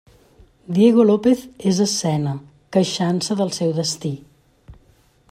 Diego López és escena, queixant-se del seu destí.